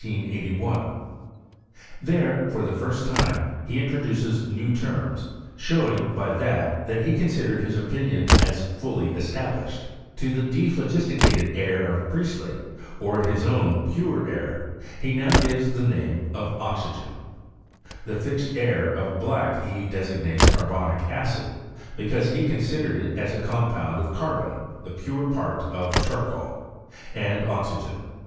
loieff^^ for the first time, he introdaces new termsy »h«i«iK^, br that, that he considered his opinions as Mij ettdblished. To the dephloffisHcated air of PiimleT, or his own pure airy he now gives the wune of orypem. The fixed air of filack he deaig Mii:e9 carhomic acidy because he considered it as a eonpound of carbom (the pore part of charcoal) and MT^rtu.